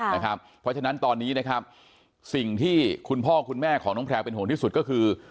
เพราะฉะนั้นตอนนี้นะครับสิ่งที่คุณพ่อคุณแม่ของน้องแพลวเป็นห่วงที่สุดก็คือ